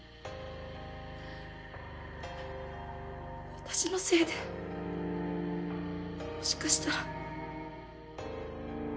私のせいでもしかしたら。